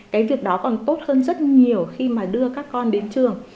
cái việc đó còn tốt hơn rất nhiều khi mà đưa các con đến trường